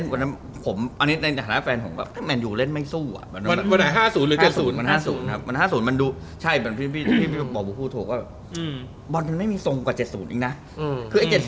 เวลา๕๐เส้น๔๐หรือ๗๐